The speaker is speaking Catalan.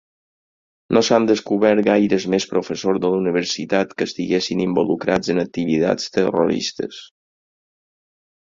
No s'han descobert gaires més professors de la universitat que estiguessin involucrats en activitats terroristes.